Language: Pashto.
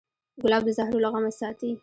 ګلاب د زهرو له غمه ساتي.